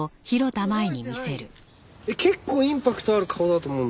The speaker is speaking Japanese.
結構インパクトある顔だと思うんだけどな。